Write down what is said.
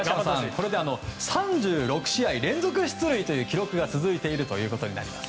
これで３６試合連続出塁という記録が続いているということです。